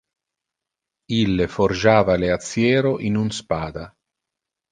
Ille forgiava le aciero in un spada.